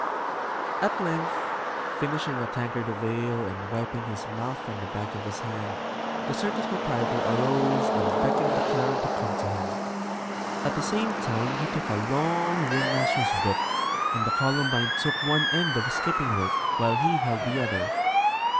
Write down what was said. At length, finishing a tankard of ale, and wiping his mouth on the back of his hand, the circus proprietor arose and beckoned the clown to come to him. At the same time he took a long ringmaster's whip, and the Columbine took one end of a skipping rope, while he held the other.